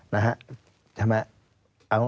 นะฮะ